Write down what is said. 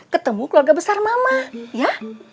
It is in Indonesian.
ketemu keluarga besar mama ya